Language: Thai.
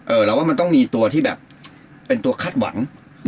เราว่ามันต้องมีตัวที่แบบเป็นตัวคาดหวัง